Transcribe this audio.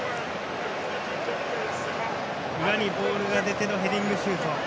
裏にボールが出てのヘディングシュート。